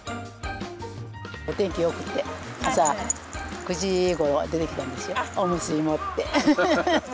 お天気よくて、朝９時ごろ出てきたんですよ、おむすび持って。